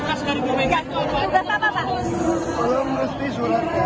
sama bantuin masyarakat kejelang